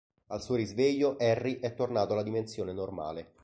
Al suo risveglio Harry è tornato alla dimensione normale.